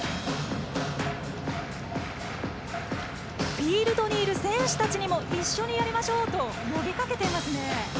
フィールドにいる選手たちにも「一緒にやりましょう！」と呼びかけていますね。